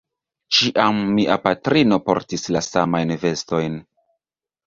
Ĉiam mia patrino portis la samajn vestojn.